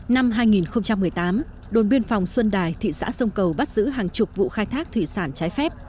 năm hai nghìn một mươi tám đồn biên phòng xuân đài thị xã sông cầu bắt giữ hàng chục vụ khai thác thủy sản trái phép